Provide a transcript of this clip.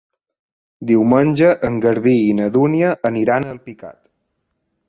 Diumenge en Garbí i na Dúnia aniran a Alpicat.